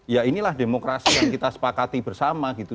ya inilah demokrasi yang kita sepakati bersama gitu